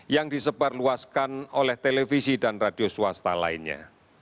yang disebarluaskan oleh televisi dan radio swasta lainnya